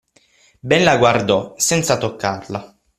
Ben la guardò, senza toccarla.